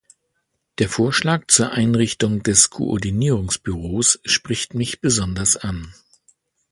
Der Vorschlag zur Einrichtung des Koordinierungsbüros spricht mich besonders an.